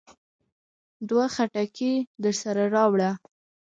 دوه خټکي درسره راوړه.